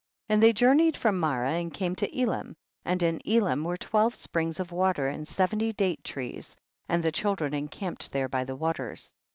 46. And they journeyed from Ma rah and came to Elim, and in Elim were twelve springs of water and seventy date trees, and the children encamped there by the waters.